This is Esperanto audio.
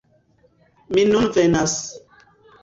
"Mi nun venas!"